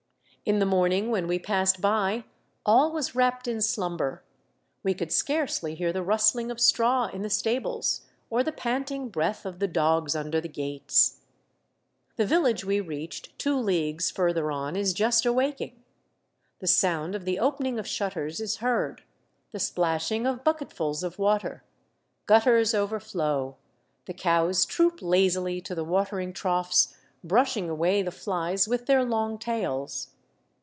In the morning when we passed by, all was wrapped in slumber ; we could scarcely hear the rustling of straw in the stables, or the panting breath of the dogs under the gates. The village we reached two leagues further on is just awaking. The sound of the opening of shutters is heard, the splashing of bucketfuls of water ; gutters overflow ; the cows troop lazily to the watering troughs, brushing away the flies with their long tails.